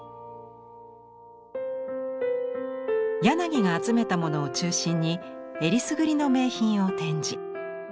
柳が集めたものを中心にえりすぐりの名品を展示。